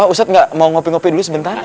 ustadz gak mau ngopi ngopi dulu sebentar